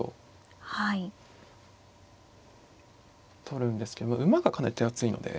取るんですけど馬がかなり手厚いので。